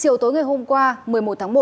chiều tối ngày hôm qua một mươi một tháng một